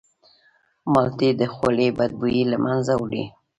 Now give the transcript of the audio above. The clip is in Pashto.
مالټې د خولې بدبویي له منځه وړي.